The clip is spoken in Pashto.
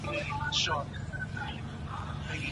د محصلینو لیلیه په ناسمه توګه نه رهبري کیږي.